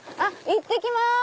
いってきます！